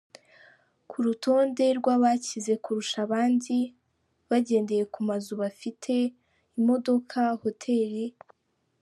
ku rutonde rwabakize kurusha abandi bagendeye ku mazu bafite, imodoka, hoteli.